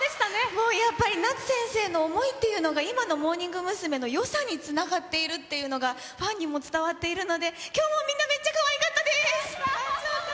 もう、やっぱり夏先生の思いっていうのが、今のモーニング娘。のよさにつながっているっていうのが、ファンにも伝わっているので、きょうもみんなめっちゃかわいかったです！